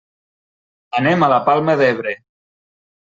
Anem a la Palma d'Ebre.